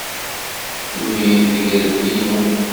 Mmi deg yirebbi-inu.